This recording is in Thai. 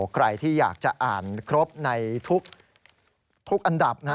ใครที่อยากจะอ่านครบในทุกอันดับ